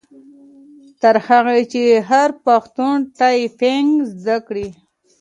تر هغه چي هر پښتون ټایپنګ زده کړي.